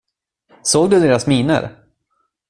Såg du deras miner?